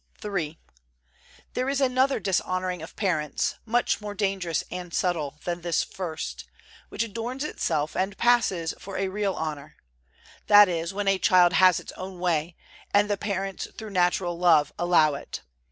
III. There is another dishonoring of parents, much more dangerous and subtile than this first, which adorns itself and passes for a real honor; that is, when a child has its own way, and the parents through natural love allow it.